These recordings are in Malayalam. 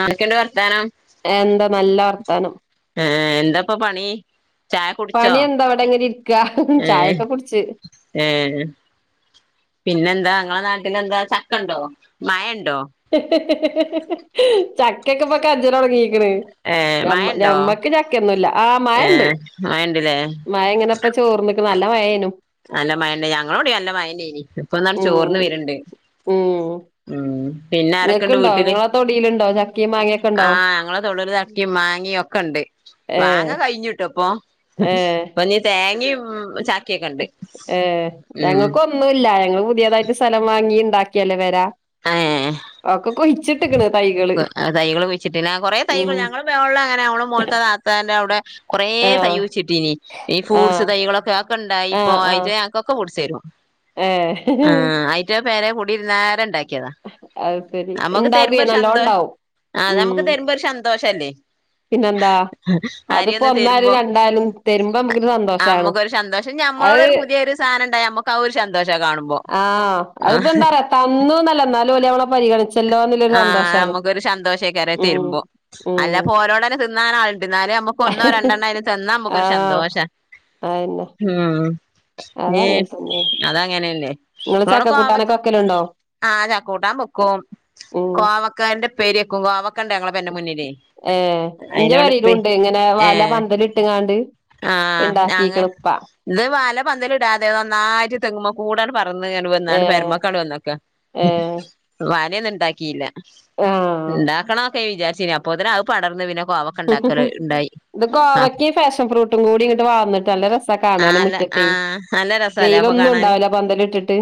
ആൊക്കെണ്ട് വർത്താനം എന്താ നല്ല വർത്താനം ആഹ എന്താപ്പ പണി ചായ കുടിച്ചോ പണി എന്താ ഇ വിടെ എങ്ങനെ ഇരിക്ക ഏ ചായയൊക്കെ കുടിച്ച് ഏ പിന്നെന്താ ങ്ങളെ നാട്ടിലെന്താ ചക്ക ഉണ്ടോ മഴ ഉണ്ടോ ചക്കക്കപ്പക്കജറാണ്ങ്ക ഏ മഴണ്ടോ മ്മക്ക് ചക്കൊന്നുംല്ല ആ ഏ മഴണ്ട് മഴണ്ട്ല്ലേ മഴ ഇങ്ങനെ അപ്പൊ ചോർന്നക്ക് നല്ല വയേനു അല്ല മയന്റെ ഞങ്ങളോട അല്ല മയന്റെനി ഇപ്പൊന്നാണ് ഉം ചോർന്ന് വരുണ്ട് ഉം ആഹ പിന്നെ ആരൊക്കെുണ്ട് ഇങ്ങക്ക്ണ്ടോ വീട്ടില് ഇങ്ങളെ തൊടീല്ണ്ടോ ചക്കിം മാങ്ങൊക്കെണ്ടോ ആഹ ഞങ്ങളെ തൊുടല് ചക്കിയും മാങ്ങും ഒക്കെ ഉണ്ട് ഏഹ് മാങ്ങകഴിഞ്ഞുട്ടോ പ്പൊ ഏഹ് ഇപ്പൊ നി തേങ്ങയും ചാക്കിയൊക്കെ ഉണ്ട് ഏ ഞങ്ങൾക്ക് ഒന്നല്ല ഞങ്ങൾ പുതിയതായിട്ട് സ്ഥലം വാങ്ങി ഉണ്ടാക്കിയല്ലേ വരാ ഏ ആക്കെ കൊയ്ിച്ചിട്ടണ് തൈകള് ഉം വെള്ളം എങ്ങനെ മോൾത്തെ താത്തന്റെ അവിടെ കൊറെേ തൈ ആഹ് വച്ചിട്ട് ഇനി ആഹ് ഫ്രൂട്്സ് തൈകളൊക്കെ ഒക്കെ ഇണ്ടായി ഇപ്പൊ ആഹ് അയി ആഹ് ക്കെ കുടിച്ചരു ആ ഏഹ് ആയിറ്റ പേരെ കുടിയിരുന്നരണ്ടാക്കി അത് ശരി നമുക്ക് ഇണ്ടാകുവേ തരുമ്പോ ഒരു നല്ലോണം ഷന്തോഷ ഇണ്ടാവും ആഹ് നമുക്ക് തരുമ്പോ ഒരു ഷന്തോഷല്ലേ പിന്നെ എന്താ അതിപ്പോ തരുമ്പോ ഒന്നായാലും രണ്ടായാലും തരുമ്പോ നമുക്കൊരു സന്തോഷണ് പക്ഷ നമ്മളോടൊരു പുതിയ ഒരു സാനണ്ടായ നമക്ക് ആ ഒരു ശാന്തോഷ കാണുമ്പ ആഹ് അത്പ്പോ എന്താ പറയാ തന്നുന്നല്ല എന്നാലും ഓൽ ഞമ്മളെ പരിഗണിച്ചു ആഹ് നമുക്കൊരു ശന്തോഷക്കാര ഉം തരുമ്പോ അല്ല ഉം പോരോടനെ തിന്നൻ ആളണ്ടന്നാലേ നമ്മുക്ക് ഒന്നോ രണ്ടെണ്ണം അയ്ന്ന് തന്നാ നമുക്കൊരു ശന്തോഷം ആയന്നെ ഉം ഇഞ് അതങ്ങനെന്നേ നിങ്ങള് ഇപ്പോവിട ചക്ക കൂട്ടാനൊക്കെ കോവക്ക് വെക്കലുണ്ടോ ആഹ് ചക്കൂട്ടാൻ പൊക്കും ഉം കോവക്കന്റെ പേര്ക്കും കോവക്കണ്ട ഞങ്ങളെ പരെന്റെ മുന്നിലേ ഏഹ് ഇന്റെ അയിനോണ്ട് പേരെയിലും ഉപ്പേ ഉണ്ട് ഇങ്ങനെ വല ഏഹ് പന്തലി ഇട്ട്ങ്ങാണ്ട് ആഹ് ഞങ്ങ ഉണ്ടാക്കിക്കണ് ഇപ്പ ഇത് വല പന്തലടാതെ നന്നായിഴ്ട്ട് തെങ്ങുമ്പോ കൂടാൻ മറന്ന കന്നാണ് ഏഹ് പെരമക്കണ്ട് വന്നൊക്കെ ഏഹ് വനൊന്നും ഇണ്ടാക്കിയില്ല ആഹ് ഇണ്ടാക്കണൊക്കെ വിചാരിചിനി അപ്പത്തനെ അവ പടർന്ന് പിന്നെ കോവക്കെ ഉണ്ടാക്കല ഉണ്ടായി ഇത് ഗോവയ്ക്ക് ഫാഷൻ ഫ്രൂട്ടും കൂടി ഇങ്ങോട്ട് വളർന്നിട്ടല്ല രസ കാണാൻ നല്ല മുറ്റത്ത ആഹ് നല്ല രസല്ലേ അപ്പൊ വെയിലൊന്നും കാണാന് ഉണ്ടാവില്ല പന്തല ഇട്ടിട്ട്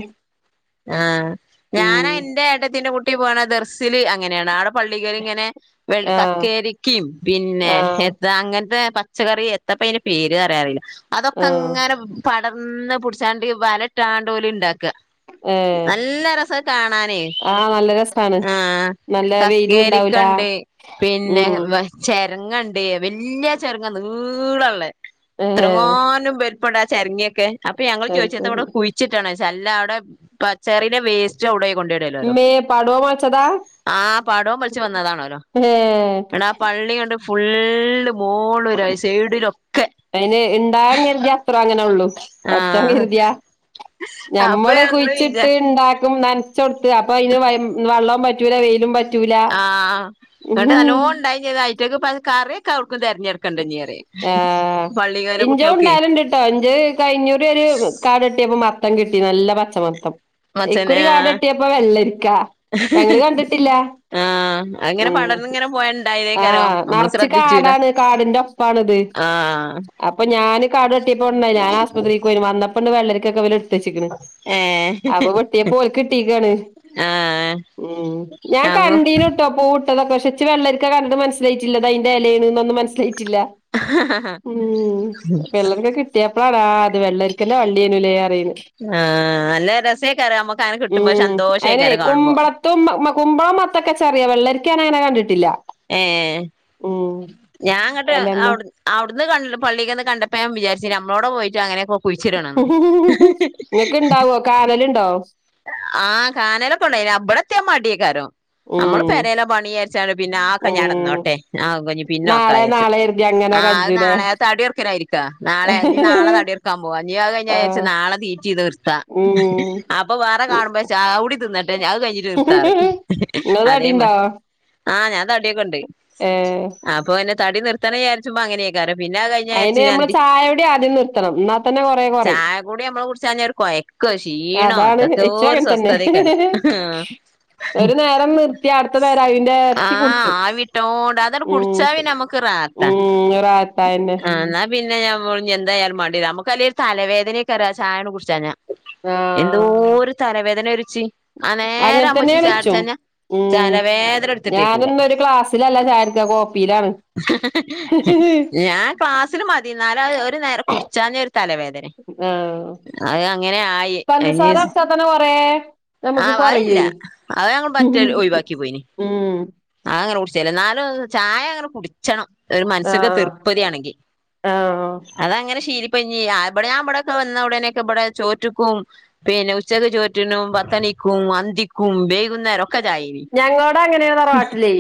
ആഹ് ഞാന എന്റെ ഏട ത്തിന്റെ കുട്ടി പോണ ദർസില് അങ്ങനെയാണ് ആവിടെ പള്ളികർ ഇങ്ങനെ വെ ആഹ് കക്കരിക്കിം പിന്നെ ആഹ് അങ്ങനത്തെ പച്ചക്കറി എത്തപ്പ അയ്ന്റെ പേര് കയാറല്ല അതൊക്കെ ആഹ് അങ്ങനെ പടർന്ന് പിടിച്ചാണ്ട് വലട്ടാണ്ട് പോലെ ഉണ്ടാക്കുക ഏഹ് നല്ല രസ കാണാനേ ആഹ് നല്ല രസാണ് ആഹ് നല്ല വെയിലും ഉണ്ടാവൂല ഉം ചെരങ്ങണ്ട വല്യ ചെരങ്ങ നീളംള്ളേ ഏഹ് ങ്ങോാനും പെരുപ്പെട ചരങ്ങിയൊക്കെ അപ്പൊ ഞങ്ങൾ അത് ചോദിച്ച എത്ത ശരി ഇവിടെ കു വച്ചിട്ടാണ്ല്ല അവിടെ പച്ചറിയന്റെ വേസ്റ്റ് അവിടെ ഇമ്മേ പടോം മുളച്ചതാ ആ പടം പലിവന്നതാണല്ലോ ഏഹ് ഇട ആ പള്ളി കൊണ്ട് ഫുള്ള് മോളിലും സൈഡിലും അതിന് ഉണ്ടാൻ കരുതി അത്രം അങ്ങനെ ഉള്ളു പട്ചോൻ ആഹ് കരുതിയാ അപ്പൊ ഞമ്മള് ഞങ്ങള് വിചാ കുഴിച്ചിട്ട് ഇണ്ടാക്കും നൻ കൊടുത്ത് അപ്പൊ അയ്ന് വള്ളം പറ്റൂല വെയിലും പ ആഹ് അങ്ങ് നല്ലോ ഉണ്ടായീനി അവർക്ക് കറിയൊക്കെ അവർക്കും തിരഞ്ഞെടുക്കണ്ടീ ഏഹ് ഇൻറ്റോം ണ്ടാവല് ഉണ്ട്ട്ടോ ഇന്റേത് കഴിഞ്ഞുറി ഒരു കിട്ടിയപ്പോ മത്തം കിട്ടി നല്ല പച്ചമത്തൻ മച്ചന് ഇക്കുറി ആഹ് കടേട്ടിയപ്പ വെള്ളരിക്കാ ഞങ്ങൾ കണ്ടിട്ടില്ല ആഹ് അങ്ങനെ ഉം പടർന്ന് ഇങ്ങനെ പോയ ഇണ്ടായതേക്കാരം ആഹ് നമ്മള് നിറച്ച് ശ്രദ്ധിച്ചൂല കാടാണ് കാടിന്റെ ണത് ആഹ് അപ്പൊ ഞാന് കാട് വെട്ടിയപ്പോ ഞാൻ ആശുപത്രിയ്ക്ക് പോയി വന്ന പണ്ട് വെള്ളരിക്കൊക്കെ അവ എടുത്തച്ചിക്കണ് ഏഹ് അപ്പൊ വെട്ടിയ പോല കിട്ടീക്കാണ് ആഹ് ഉം ഞാൻ ഞങ്ങ കണ്ടീനു ട്ടോ പൂട്ടതൊക്കെ ച്ച് വെള്ളരിക്കാ എനിക്ക് മനസ്സിലായിട്ടില്ല അതിന്റെ ഇലയണന്നും മനസ്സിലായിട്ടില്ല ആഹ് ഉം വെള്ളരിക്ക കിട്ടി യാപ്പിള അത് വെള്ളരിക്കന്റെ വള്ളിയേനുലേ അറിയേന് ആഹ് നല്ല രസീകാരം നമ്മക്ക് അങ്ങനെ കിട്ടുമ്പോ നല്ല ഉം അയിനെ ശന്തോഷേക്കാരം കാണുമ്പോ കുമ്പളത്തും കുമ്പളം മത്തൻ തൊക്കെ ക്കച്ചറിയ വെള്ളരിക്ക ഞൻ അങ്ങനെ കണ്ടിട്ടില്ല ഏഹ് ഉം ഞാൻങ്ങോട്ട് എലൊന്നും അവിടുന്ന് പള്ളിക്കന്ന് കണ്ടപ്പോ ഞാൻ വിചാരിച്ചു നമ്മളോടെ പോയിട്ട് അങ്ങനെ കുഴിച്ചിടനം ന്ന് ഇങ്ങക്ക് ഇണ്ടാവോ കാനലുണ്ടോ ആഹ് കാനലൊക്കെ ഉണ്ടായി ഇവിടെത്തിയ മടിയെക്കാരം നമ്മള് ഉം പരല പണിയാരിച്ചാണ് പിന്നെ അതൊക്ക ഇനി അവിടെ ഉം നടന്നോട്ടെ അതൊക്ക ഇനി പിന്നെ ആകാൻ നാളെ വിചാരിക്കും നാളെ കരുതി അങ്ങനെ ആ അത് കജ്ജൂലേ നാളെ തടിയൊറക്കനായിരിക്കും നാളെ ഇനി നാളെ തടിഎറക്കാൻ പോവാ ഇനി അത് കഴിഞ്ഞ വിചാരിക്കും ആഹ് നാളെ തീറ്റി നിർത ഉം അപ്പൊ വേറെ കാണുമ്പോ വിചാരിക്കും അതും കൂടി തിന്ന അത് കഴിഞ്ഞിട്ട് നിർത്താ ഇങ്ങളത് അടിണ്ടോ അതേമാതിരി ആ ഞാൻ ഏഹ് അപ്പോ പിന്നെ തടി നിർത്തണം ചുമ്മാ അങ്ങനെയൊക്കപറയും പിന്നെ കഴിഞ്ഞ അയിന് നമ്മള് വിചാരിക്കും ചായോടി ആദ്യം നിർത്തണം എന്നാ തന്നെ കൊറേ കൊറയും ചായ കുടി നമ്മൾ കുടിച്ചൻ കുഴക്കും ക്ഷീണം അതാണ് ഇച്ചും എന്തൊക്ക അങ്ങൻ സ്വസ്ഥത തന്നെ [unintelligible] ഒരു നേരം നിർത്തിയ അടുത്ത നേരം അയിന്റെ ആഹ് കുടിച്ചു ആവിട്ടോണ്ട് അതട് ഉം കുടിച്ചാ പിന്നെ ഉം റാഹത്തന്നെ ആ എന്നാ പിന്നെഞാൻ എന്തായാലും മണ്ടില്ല നമുക്ക് അല്ല ഒരു തലവേദനയക്കെ അ ചായനെ കുടിക്കാഞ്ഞാൽ ഞാ ആഹ് എന്തോരു തല വേദന വരും എനിക്ക് ആ നേരം അങ്ങനെ ആകുമ്പോൾ ഇച്ചിരി തന്നെയാണ് ചായ കുടിച്ചു ഇച്ചും കഴിഞ്ഞാൽ തലവേദന അങ്ങട് എടുക്കൂല ക്ലാസ്സിലല്ല ചായ കുടിക്കാം കോപ്പയിൽ ആണ് ഞാൻ ക്ലാസ്സിൽ മതി എന്നാല ഒരു നേര കുടിച്ചാഞ്ഞ ഒരു തലവേദന ആഹ് അത് അങ്ങനെ ആയി അ ഇപ്പൊ തന്നെ കൊറേ ആ നമുക്ക് അതില്ല കൊറയുവേ അത് ഞങ്ങൾ പറ്റ ഒഴിവാക്കി പോയിന് ഉം ആ അങ്ങനെ കുടിച്ചല്ലേ എന്നാലും ചായ അങ്ങനെ കു ക്കണം ഒരു മനസ്സിന് ആഹ് തീർപ്പതിയാണെങ്കിൽ ആഹ് അത അങ്ങനെ ശീലിപ്പനി ഇവിടെ ഞാൻ ഇവിടെയൊക്കെ വന്ന ഉടനെക്കെ ഇവിടെ ചോറ്റുക്കും പിന്നെ ഉച്ചക ചോറ്റിനും പത്തണിക്കും അന്തിക്കും വൈകുന്നേരം ക്ക ചായ ഞങ്ങളോട അങ്ങനെയ തറവാട്ടില്ലേ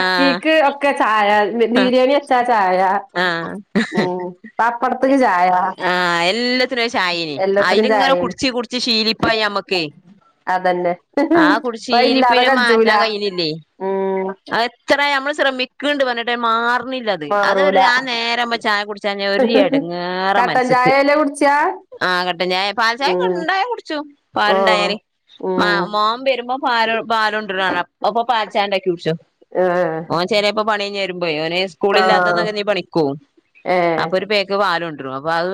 ആഹ് ഒക്കെ ചായ ബിരിയാണി ച ചായ ആഹ ഉം പപ്പടത്ത്ക്ക് ചായ ആ എല്ലാത്തിനും ചായനി ആ എല്ലാത്തിനും ഇതിങ്ങന കുടി ചായയാണ് കുടിച്ച് കുടിച് ശീലിപ്പായി നമ്മക്ക് അതന്നെ ഇപ്പ ഇല്ലാതെ ശീലിപ്പിനെ കഴി മാറ്റാൻ കഴിയുന്നില്ലേ അ ഇത്ര നമ്മൾ ശ്രമിക്കണ്ട് പറഞ്ഞിട്ടെ മാറുന്നില്ല. അതൊരു മാറൂല ആ നേര് ആകുമ്പോ ചായ കുടിചില്ലേ ഒരു ഇടങ്ങേറ കട്ടൻ മനസ്സിക്ക് ചായല്ലേ കുടിച്ചാ ആ കട്ടൻചായ പാൽ ചായ ഉം ഉണ്ടായാ കുടിച്ചോ ആഹ് പാലുണ്ടായാലേ മാ ഉം മോൻ വരുമ്പോ പാൽ പാൽ കൊണ്ടുവരണ കാണാം അപ്പൊ പാൽച്ചായ ഉണ്ടാക്കി കുടിച്ചോ ഏഹ് ഓൻ ചെലേപ്പൊ പണി കയ്ഞ്ഞ് വെരുമ്പഴേ ഓന് ആഹ് സ്കൂളില്ലാത്തന്നൊക്കെ എന്തേം പണിക്കോവും. ഏഹ് അപ്പൊ ഒരു പായ്ക്ക് പാൽകൊണ്ടിടും അപ്പൊ അത്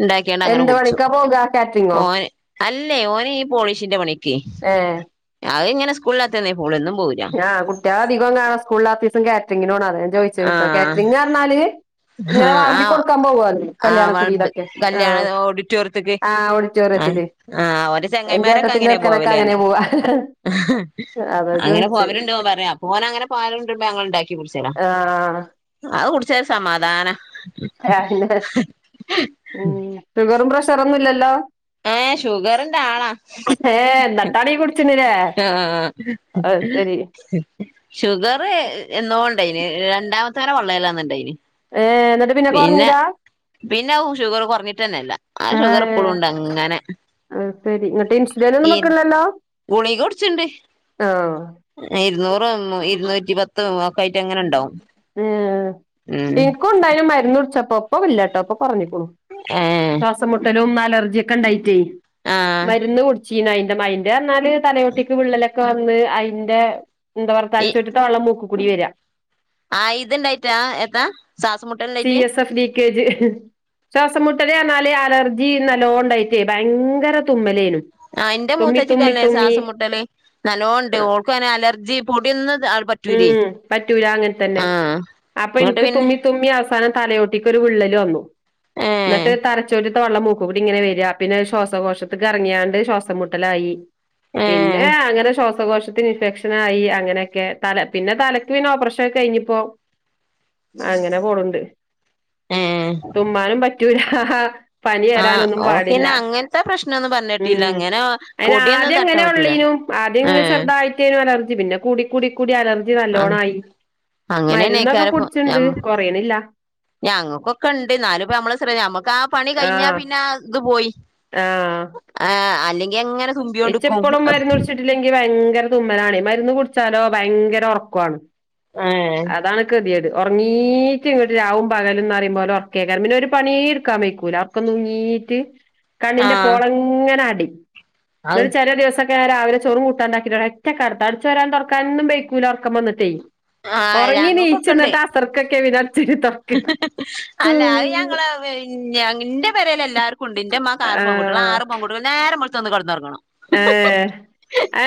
ഉണ്ടാക്കിയണ്ട് അങ്ങനെ എന്ത് കുടിച്ചു പണിക്കാ പോകാ കാറ്ററിങ്ങോ ഓൻ അല്ലേ ഓൻ ഈ പോളിഷിന്റെ പണിയൊക്കെ എ അഹ് ഇങ്ങനെ സ്ക്കൂള് ഇല്ലാത്തന്നെ പോവൊള്ളൂ എന്നും പോവൂല്ല ആ കുട്ടികൾ അധികം കാണോ സ്കൂളിൽ ആ ദിവസം കാറ്ററിങ്ങിനോ പോണാതാ ചോദിച്ചു കേട്ട ആഹ് കാറ്ററിംഗങ് പറഞ്ഞാൽ ഇങ്ങനെ വിളമ്പി ആഹ് കൊടുക്കാൻ പോവല്ലേ ആഹ് ബൾബ് കല്യാണക്കുടീതൊക്കെ ആ കല്യാണ ഓഡിറ്റോറിയത്ത്ക്ക് ആ ഓഡിറ്റോറിയത്തിൽ ആഹ് ആഹ് ഓന്റെ എൻ്റെ ചങ്ങായിമാരൊക്കെ ചേട്ടത്തിന്റെ അങ്ങനെ ചെറുക്കൻ ഓക്കേ പോവല് അങ്ങനെ പറഞ്ഞ് പോവാ അതാ അങ്ങനെ ചോദിച്ചേ പോവല്ണ്ട് ഓൻ പറയാ അപ്പൊ ഓൻ അങ്ങനെ പാലൊണ്ടെര്മ്പൊ ഞങ്ങള് ഇണ്ടാക്കി കുടിച്ചലാ.. ആഹ് ആഹ് അത് കുടിച്ച സമാധാനാ ഉം ഷുഗറും പ്രഷറൊന്നും ഇല്ലല്ലോ എ ഷുഗറിന്റെ ആളാ ഏ എന്നിട്ടാണ് ഈ കുടിച്ചിനില്ലേ ആഹ് ആഹ് അത് [inaudible] ശരി ഷുഗറ് എന്നോണ്ടായിനിം രണ്ടാമത്തെനെ പള്ളെല്ള്ളന്ന് ഇണ്ടായിനിം ഏ എന്നിട്ട് പിന്നെ കുറഞ്ഞില്ലാ പിന്നെ ഷുഗർ കുറഞ്ഞിട്ട് തന്നെയില്ല ആ ഷുഗർ ഇപ്പോഴുമുണ്ട് അങ്ങനെ ആ ശരി ഇങ്ങട്ട് ഇൻസുലിൻ ഒന്നും ഈ വെയ്ക്കന്നില്ലല്ലോ ആ ഇരുന്നൂറോ ഇരുന്നൂറ്റി പത്തോ എഹ് ഉം ഇക്കും ഇണ്ടായ്നു മര്ന്ന് കുട്ച്ചപ്പോ ഇപ്പൊ ഇല്ലാട്ടൊ ഇപ്പൊ കൊറഞ്ഞ്ക്ക്ണു. എ ശ്വാസംമുട്ടലും അലർജിയും ഒക്കെ ഉണ്ടായിട്ടേ ആ മരുന്ന് കൊടു ചീന അയിന്റെ മയിന്റെ വന്നാൽ തലയോട്ടിക്ക് വിള്ളലൊക്കെ വന്ന് അയിൻ്റെ എന്താ [inaudible] ഈ ന്ന്ട്ടാ വെള്ളം മൂക്ക് കൂടി വെരാ ആ ഇതുണ്ടായിട്ടാ എത്താ ശ്വാസമുട്ടൽ സിഎസ്എഫ് പി കെ ജ് ശ്വാസംമുട്ടൽ പറഞ്ഞാൽ അലർജി നല്ലോണ്ടായിട്ടേ ഭയങ്കര തുമ്മലേയിരുന്നു ആ ഇന്റെ മൂത്തച്ചി ക്കല്ലേ ശ്വാസം മുട്ടൽ നല്ലോണമുണ്ട് ഓൾക്കെ അലർജി പൊടി ഒന്ന് പറ്റൂല്ലേ ഉം പറ്റൂല അങ്ങന തന്നെ അപ്പൊ ഇങ്ങോട്ട് എനിക്ക് പിന്നെ തുമ്മി തുമ്മി അവസാനം തലയോട്ടിക്ക് ഒരു വിള്ളൽ വന്നു ഏഹ് എന്നിട്ട് തലച്ചോറ്റ്ത്തെ വെള്ളം ഇങ്ങനെ മൂക്ക് കൂടി ഇങ്ങനെ വരിക പിന്നെ ശ്വാസകോശത്ത് ഇറങ്ങിയാണ്ട് ശ്വാസം മുട്ടലായി പിന്നെ ഏഹ് അങ്ങനെ ശ്വാസകോശത്തിന് ഇൻഫെക്ഷൻ ആയി അങ്ങനെയൊക്കെ തല പിന്നെ തലയ്ക്ക് പിന്നെ ഓപ്പറേഷൻ ഒ ക്കെ കഴിഞ്ഞിപ്പോ അങ്ങനെ പോണുണ്ട് ഏഹ് തുമ്മാനും പറ്റൂല്ല പനി ആഹ് വരാനൊന്നും പാടില്ല ഓക്കിന്നെ അങ്ങനത്തെ പ്രശ്നൊന്നും പറഞ്ഞിട്ടില്ല ഉം അങ്ങനെ അതിന് പൊടിയൊന്നും ആദ്യം തട്ടാൻ അങ്ങനെ പറ്റൂല ഉളേളനു ആദ്യം ഇങ്ങ ഏഹ് ചെറുതായിട്ട് അലർജി പിന്നെ കൂടി കൂടി കൂടി അലർജി ആഹ് നല്ലോണായി മരുന്നൊക്കെ കുടിച്ചുണ്ട് കുറയണില്ല [inaudible] ഞങ്ങൾക്കൊ ഉണ്ട് എന്നാലും ഇപ്പ നമ്മളെ ശ്ര നമ്മക്ക് ആ പണി കഴിഞ്ഞാ പിന്നെ ഇത് പോയി ആ ആ അല്ലെങ്കിൽ അങ്ങനെ തുമ്മിയോണ്ട് ഇച്ചിപ്പളും മരുന്ന് നിൽക്കും കുടിച്ചിട്ടില്ലെങ്കി ഭയങ്കര തുമ്മലാണ് മരുന്ന് കുടിച്ചാലോ ഭയങ്കര ഉറക്കമാണ്. ഏഹ് അതാണ് കെതിയേഡ് ഉറങ്ങീറ്റ് ഇങ്ങട്ട് രാവും പകലും എന്ന് പറിയുമ്പോലെ ഉറകെകാരം പിന്നെ ഒരു പണിയ എടുക്കാൻ വൈക്കൂല ഉറക്കതൂങ്ങിയിട്ട് കണ്ണിന്റെ ആഹ് പോളങ്ങനെ അടി അത് ഇങ്ങട്ട് ചില ദിവസ രവിലെ ചോറും കൂട്ടാണ്ടാക്കിയിട്ട ഒറ്റ കിടത്ത അടിച്ച് വരാനും തൊടക്കാനും ഒന്നും വെയ്ക്കൂല ഉറക്കം വന്നിട്ട് ആഹ് ഉറങ്ങി നീച് ഞങ്ങക്കൊക്കെണ്ട് അസർക്കക്കെ പിന്നെ അടിച്ചൊരി തുടക്ക അല്ല അത് ഞങ്ങള് എന്റെ പേരില് എല്ലാർക്കുണ്ട് ഇൻ്റെ ഉമ്മാക് ആറ് പെൺകുട്ടികൾ ആ ആറ് പെൺ നേരം വെളുത്ത ഒന്ന് കിടന്നുറങ്ങണം ഏ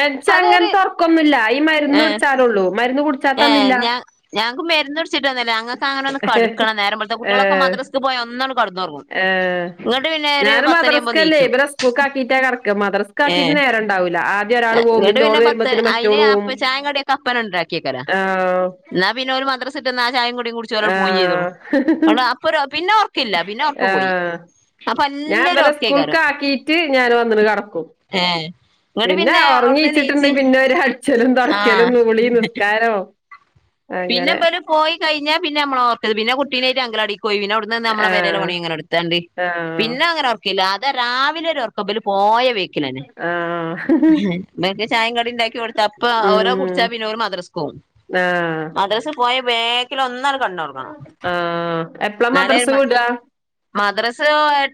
ഇച്ച അതൊരു അങ്ങനെത്തെ ഒറക്കൊന്നുമില്ല ഈ മരുന്ന് കുടിച്ചാലുള്ളൂ മരുന്ന് കുടു ഏ ഞങ്ങക്ക് മരുന്ന്ടിച്ചിട്ട്ന്നല്ലേ ഞങ്ങ ഇച്ചങ്ങനെന്ന് കടക്കണം ഏ കുട്ടികളക്കെ മദ്രസ പോയ ഒന്നാണ്ട് കടന്നുറങ്ങും ഏ ഞാ മദ്രസ്ക്കല്ലേ നീച്ചും ഇവരെ സ്കൂൾക്ക ആക്കീട്ടാ കടക്ക മദ്രസ് ആാക്കീട്ട് ഏഹ് നേര ഉണ്ടാവൂല്ല ഇങ്ങട്ട് പിന്നെ പത്ത് അയിന് അപ്പ ചായ കടിയൊക്കെ അപ്പണ്ടാക്കി വെക്കല ആ എന്നാ പിന്നെ മദ്രസ ഇട്ടന്നാ ചായ കടി കുടി കുടിച് ഓല് ആ പോയും ചെയ്തോളും അപ്പ പിന്നെ ഉറക്കില്ല പിന്നെ ഉറക്ക് പോയി ആ അപ്പൊ ഞാൻ നല്ലൊരു ഇവലെ സ്കൂൾക് ഒറക്കേക്കാരം ആക്കിട്ട് ഞാൻ വന് കിടക്കും ഏ പിന്നെ ഉറങ്ങച്ചിട്ടുണ്ട് പിന്നെ അടിച്ചലും ആഹ് തുടക്കലും കുളി നിസ്കാരോ പിന്നെ ഇവല് പോയികഴിഞ്ഞാ പിന്ന നമ്മള ഓർകല് പിന്നെ കുട്ടീനെറ്റ് അംഗലവാടി പോയി പിന്നെ നമ്മളെ ആ പെരടെ പണി അങ്ങനെ എടുത്താണ്ട് ആ പിന്നെ അങ്ങനെ അത് രാവിലെ ഒരുർക്ക ഇവർ പോയ ആഹ ഇവർക്ക് ചായകടി ഉണ്ടാക്കി കൊടുത്ത അപ്പ ഓല് കുടിച്ചാ പിന്നെ ഓല് കുടിച്ച മദ്രസക്ക് പോവും ആഹ മദ്രാസിൽ പോയ ബേക്കിൽ ഒന്നങ്ങാട്ട് കടന്നൂറങ്ങണം ആ എപ്പളാ മദ്രസ് വിടാ മദ്രാസ്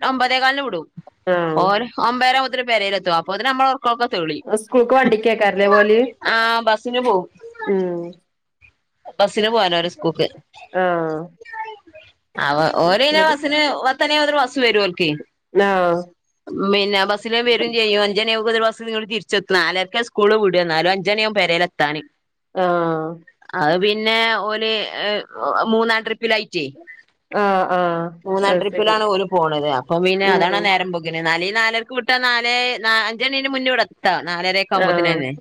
ഒമ്പതേകാലിന് വിടും ആ ഓര് ഒമ്പതര മുതൽ പേരില് എത്തും അപ്പോത്തിന് നമ്മളെ ഉറക്കകൊത്തളീം സ്കൂൾക്ക് വണ്ടിക്കേക്കാരല്ലേ പോവല് ആ ബസിന് പോകും ഉം ബസ്സിന് പോവാല സ്കൂക്ക് ആ ഓല ശരി ബസിന് പത്ത് മനിയാവുബോത്തിന് ബസ്സ് വരൂക്ക് ആ പിന്നെ ബസല്വരും ചെയ്യും അഞ്ചനി ആവുബോത്തിന് ബസ്സ് തിരിച്ചെതും നാലരക്ക സ്കൂള് വിട എന്നാലും അഞ് അഞ്ച് ആകും പേരെലത്താന് ആഹ അത് പിന്നെ ഓല് മൂന്നാാം ട്രിപ്പിലായിറ്റേ ആ ആ മൂന്നാം അത് ശരി ട്രിപ്പിലാണ് ഓല് പോണത് അപ്പൊ പിന്നെ അതാണ ഉം നേരം അങ്ങനെ നാല നാലർക്ക് വിട്ടാ നാല് അഞ്ചണിന് മുന്നെ എത്തും ആ നാലരൊകാവുമ്പതിന് തന്നെ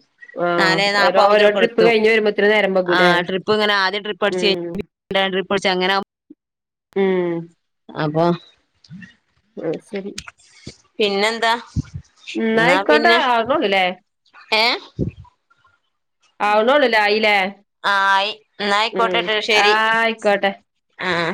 നാലേ നാപ്പവ്ബോത്തിനൊക്കെ ഇവിടെ എത്തു മര [unintelligible] ആഹ ട്രിപ്പ് ഇങ്ങനെ ആദ്യ ട്രിപ്പടിച്ച ട്രിപ്പ്ട അങ്ങനെ ഉം അപ്പൊ ആ ശരി പിന്നെന്താ എന്നാ പിന്നെ ല്ലേ ഏ ആവുനള്ളു ആയിലെ ആഹ ആയി എന്നയിക്കോട്ടട്ടോശേരി കട്ട ആഹ